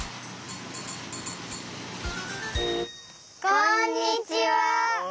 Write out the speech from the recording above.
こんにちは。